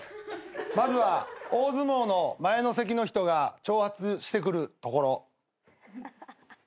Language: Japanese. まずは大相撲の前の席の人が挑発してくるところ。